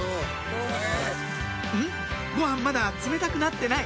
ごはんまだ冷たくなってない！」